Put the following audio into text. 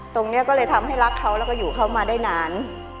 ตรงนี้ก็เลยทำให้รักเขาแล้วก็อยู่เขามาได้นาน